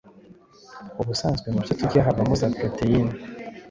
ubusanzwe mu byo turya habamo za proteins